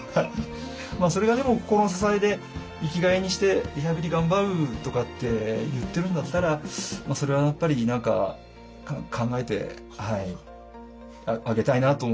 それがでも心の支えで生きがいにしてリハビリ頑張るとかって言ってるんだったらそれはやっぱり何か考えてあげたいなと思う。